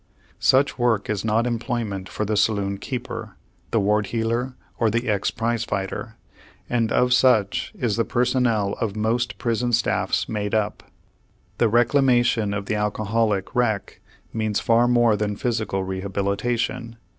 Such work is not employment for the saloon keeper, the ward heeler, or the ex prize fighter, and of such is the personnel of most prison staffs made up. The reclamation of the alcoholic wreck means far more than physical rehabilitation.